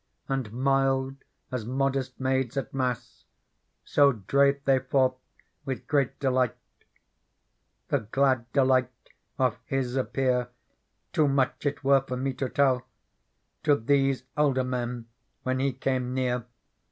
And mild as modest maids at Mass ; So drave they forth with great delight. Digitized by Google 48 PEARL The glad delight of His appear^ Too much it were for me to tell ; To these Elder men when He came near.